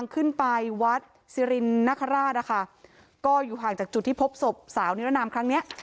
ขึ้นไปวัดสิรินนคราชนะคะก็อยู่ห่างจากจุดที่พบศพสาวนิรนามครั้งนี้